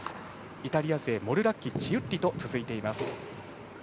イタリア勢のモルラッキチウッリと続いています。